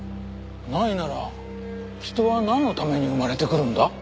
ないなら人はなんのために生まれてくるんだ？